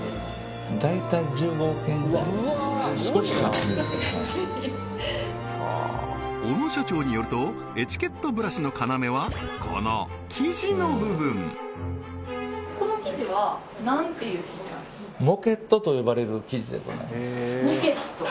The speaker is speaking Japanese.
大体小野社長によるとエチケットブラシの要はこの生地の部分この生地はモケットと呼ばれる生地でございますモケット？